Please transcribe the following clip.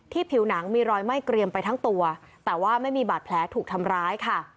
ผิวหนังมีรอยไหม้เกรียมไปทั้งตัวแต่ว่าไม่มีบาดแผลถูกทำร้ายค่ะ